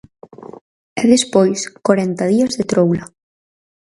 E despois, corenta días de troula.